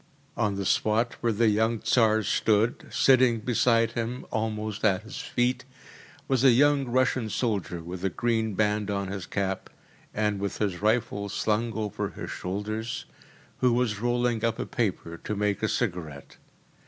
On the spot where the young Tsar stood, sitting beside him, almost at his feet, was a young Russian soldier with a green band on his cap, and with his rifle slung over his shoulders, who was rolling up a paper to make a cigarette.